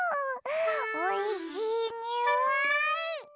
おいしいにおい！